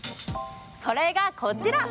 それがこちら！